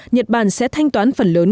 nhật bản sẽ thanh toán phần lớn